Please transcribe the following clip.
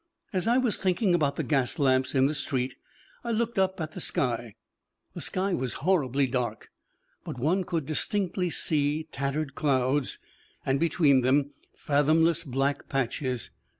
As I was thinking about the gas lamps in the street I looked up at the sky. The sky was horribly dark, but one could distinctly see tattered clouds, and between them fathomless black patches.